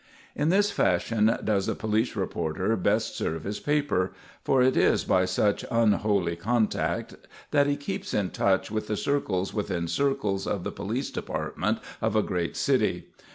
In this fashion does the police reporter best serve his paper; for it is by such unholy contact that he keeps in touch with the circles within circles of the police department of a great city.